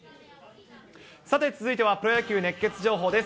さて、続いてはプロ野球熱ケツ情報です。